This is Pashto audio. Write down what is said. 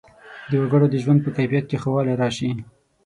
د وګړو د ژوند په کیفیت کې ښه والی راشي.